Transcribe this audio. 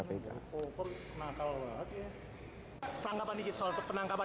ini bukan penangkapan